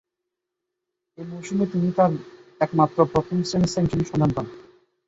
এ মৌসুমে তিনি তার একমাত্র প্রথম-শ্রেণীর সেঞ্চুরির সন্ধান পান।